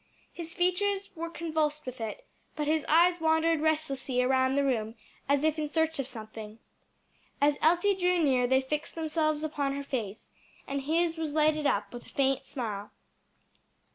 His features were convulsed with it, but his eyes wandered restlessly around the room as if in search of something. As Elsie drew near they fixed themselves upon her face, and his was lighted up with a faint smile.